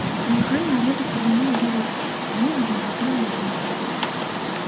Няхай народу падымуць заробкі, і мы будзем жыць нармальна.